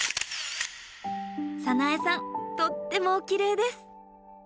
早苗さんとってもおきれいです！